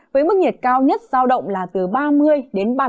với mức nhiệt cao nhất giao động là từ ba mươi đến ba mươi ba độ có nơi còn cao hơn